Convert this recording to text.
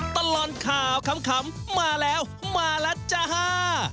ตลอดข่าวขำมาแล้วมาแล้วจ้าฮ่า